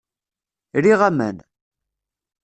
Riɣ aman.